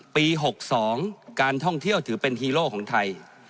ปี๖๒การท่องเที่ยวถือเป็นฮีโร่ของไทย